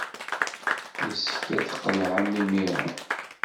Yessefk ad tqelɛem imir-a.